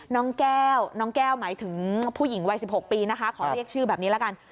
น้องแก้วน้องแก้วหมายถึงผู้หญิงวัย๑๖ปีนะคะขอเรียกชื่อแบบนี้ละกัน